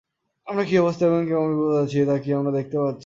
আমরা কী অবস্থায় এবং কেমন বিপদে আছি তা কি আপনি দেখতে পাচ্ছেন না?